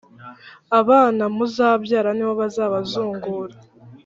Abana muzabyara nibo zababazungura